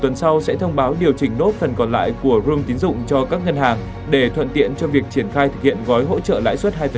nốt phần còn lại của room tín dụng cho các ngân hàng để thuận tiện cho việc triển khai thực hiện gói hỗ trợ lãi suất hai